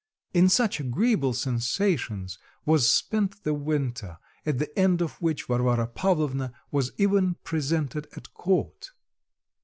In such agreeable sensations was spent the winter, at the end of which Varvara Pavlovna was even presented at court.